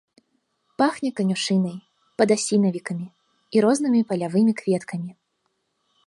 Пахне канюшынай, падасінавікамі і рознымі палявымі кветкамі.